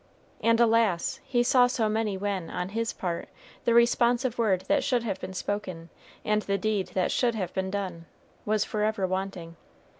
And alas! he saw so many when, on his part, the responsive word that should have been spoken, and the deed that should have been done, was forever wanting.